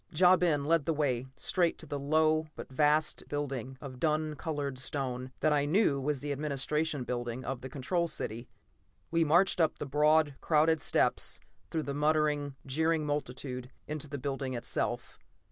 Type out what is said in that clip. Ja Ben led the way straight to the low but vast building of dun colored stone that I knew was the administration building of the Control City. We marched up the broad, crowded steps, through the muttering, jeering multitude into the building itself.